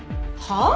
はあ？